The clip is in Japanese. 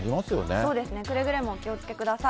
そうですね、くれぐれもお気をつけください。